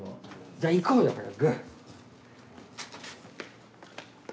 じゃあ行こうよ早く！